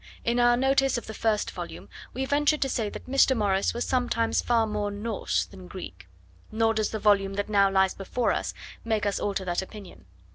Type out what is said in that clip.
In our notice of the first volume we ventured to say that Mr. Morris was sometimes far more Norse than Greek, nor does the volume that now lies before us make us alter that opinion.